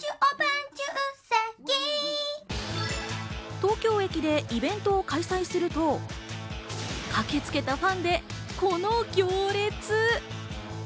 東京駅でイベントを開催すると、駆けつけたファンで、この行列！